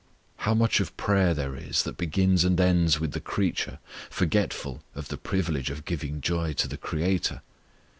How much of prayer there is that begins and ends with the creature, forgetful of the privilege of giving joy to the Creator!